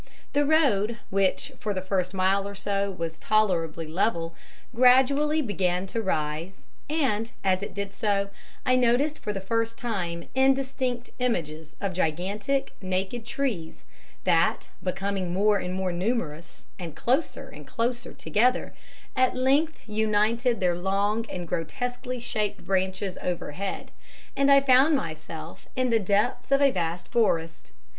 The road, which for the first mile or so was tolerably level, gradually began to rise, and, as it did so, I noticed for the first time indistinct images of gigantic, naked trees that becoming more and more numerous, and closer and closer together, at length united their long and grotesquely shaped branches overhead, and I found myself in the depths of a vast forest.